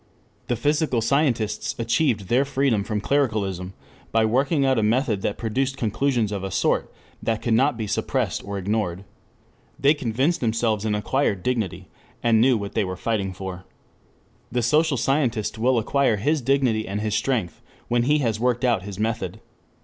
The physical scientists achieved their freedom from clericalism by working out a method that produced conclusions of a sort that could not be suppressed or ignored. They convinced themselves and acquired dignity, and knew what they were fighting for. The social scientist will acquire his dignity and his strength when he has worked out his method.